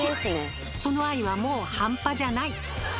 その愛はもうハンパじゃない。